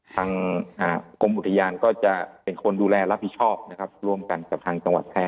ทางกรมคะพริยารก็จะเป็นคนดูแลรับผิดชอบร่วมกันกับทางกรรมจังหวัดแถ่